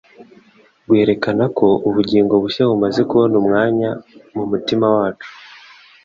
rwerekana ko ubugingo bushya bumaze kubona umwanya mu mutima wacu.